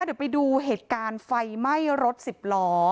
เดี๋ยวไปดูเหตุการณ์ไฟไหม้รถสิบล้อ